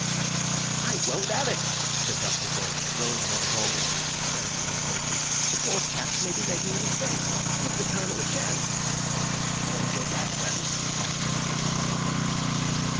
"I won't 'ave it," said Dr. Bull, growing more vulgar in the sincerity of his virtue. "The poor chaps may be making a mistake. Give the Colonel a chance." "Shall we go back, then?" asked the Professor.